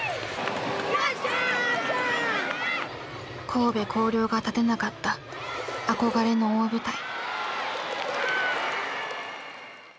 神戸弘陵が立てなかった憧れの大舞台。